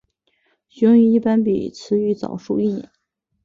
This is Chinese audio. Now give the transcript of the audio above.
雄鱼一般比雌鱼早熟一年。